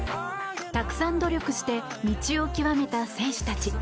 たくさん努力して道を究めた選手たち。